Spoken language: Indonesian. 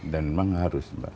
dan memang harus mbak